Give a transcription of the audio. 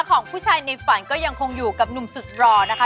ของผู้ชายในฝันก็ยังคงอยู่กับหนุ่มสุดหล่อนะคะ